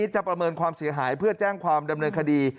ประเมินความเสียหายเพื่อแจ้งความดำเนินคดี